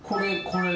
これ。